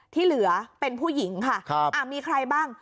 ที่เหลือเป็นผู้หญิงค่ะมีใครบ้าง